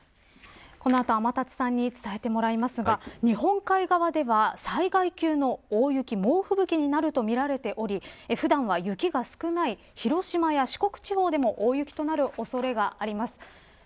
この後、天達さんに伝えてもらいますが日本海側では災害級の大雪猛吹雪になるとみられており普段は雪が少ない広島や四国地方でも大雪となる恐れがあります。